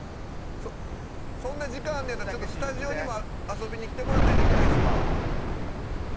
そんな時間あんねやったらスタジオにも遊びにきてもらったりできないですか。